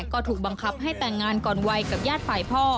ก็ถูกบังคับให้แต่งงานก่อนวัยกับญาติฝ่ายพ่อ